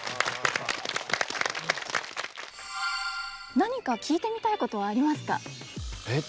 何か聞いてみたいことはありますか？